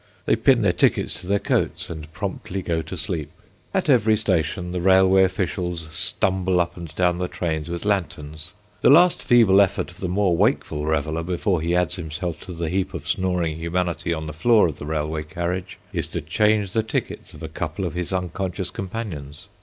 They pin their tickets to their coats and promptly go to sleep. At every station the railway officials stumble up and down the trains with lanterns. The last feeble effort of the more wakeful reveller, before he adds himself to the heap of snoring humanity on the floor of the railway carriage, is to change the tickets of a couple of his unconscious companions.